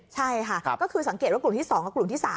ใช่ค่ะก็คือสังเกตว่ากลุ่มที่๒กับกลุ่มที่๓